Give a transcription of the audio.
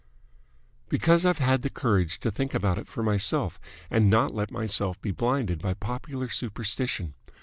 "Because I've had the courage to think about it for myself, and not let myself be blinded by popular superstition.